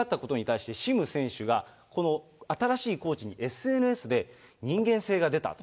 失格したことに対して、シム選手がこの新しいコーチにＳＮＳで、人間性が出たと。